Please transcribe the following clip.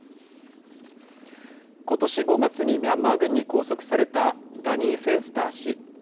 ことし５月にミャンマー軍に拘束されたダニー・フェンスター氏。